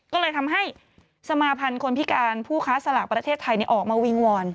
ก็เลยทำให้สมาพันธ์คนพิการผู้ค้าสลากประเทศไทยออกมาวิงวอน